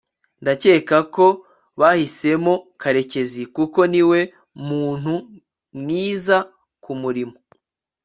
ndakeka ko bahisemo karekezi kuko niwe muntu mwiza kumurimo